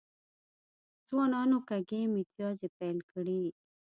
ځوانانو کږې میتیازې پیل کړي.